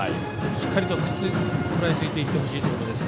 しっかりと食らいついていってほしいところです。